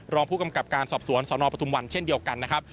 รองผู้กำกับการสอบสวนสนปทุมวันเช่นเดียวกันนะครับ